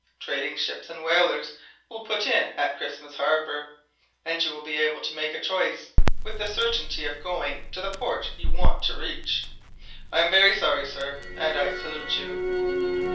Trading ships and whalers will put in at Christmas Harbour, and you will be able to make a choice, with the certainty of going to the port you want to reach. I am very sorry, sir, and I salute you."